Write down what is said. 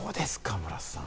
村瀬さん。